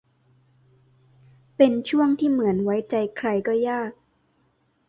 เป็นช่วงที่เหมือนไว้ใจใครก็ยาก